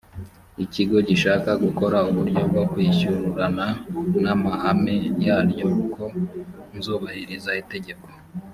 ikigo gishaka gukora uburyo bwo kwishyurana n amahame yaryo ko nzubahiriza itegeko